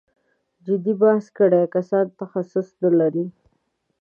جدي بحث کړی کسان تخصص نه لري.